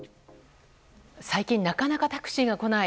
最近なかなかタクシーが来ない。